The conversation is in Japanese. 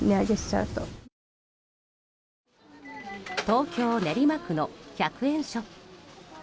東京・練馬区の１００円ショップ。